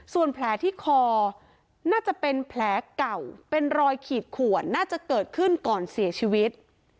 ส่วนแผลที่คอน่าจะเป็นแผลเก่าเป็นรอยขีดขวนน่าจะเกิดขึ้นก่อนเสียชีวิต